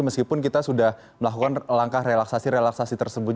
meskipun kita sudah melakukan langkah relaksasi relaksasi tersebut